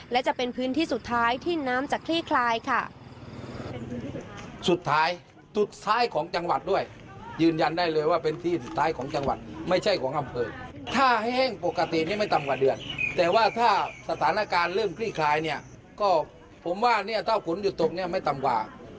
และจะเป็นพื้นที่สุดท้ายที่น้ำจะคลี่คลายค่ะ